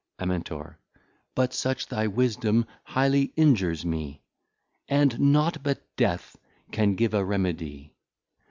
}} Amin. But such thy Wisdom highly injures me: } And nought but Death can give a Remedy.